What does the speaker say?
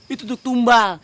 itu untuk tumbal